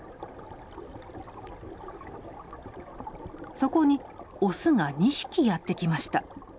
そこにオスが２匹やって来ました。